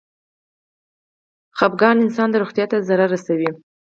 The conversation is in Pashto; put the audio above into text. خپګان انسان د روغتيا ته ضرر رسوي.